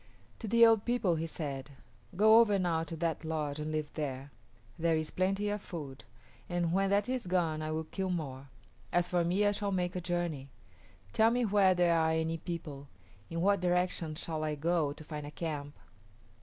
To the old people he said, "Go over now to that lodge and live there. There is plenty of food, and when that is gone I will kill more. As for me, I shall make a journey. Tell me where there are any people. In what direction shall I go to find a camp?"